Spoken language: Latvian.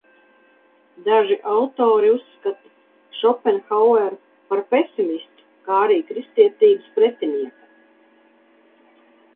Daži autori uzskata Šopenhaueru par pesimistu, kā arī kristietības pretinieku.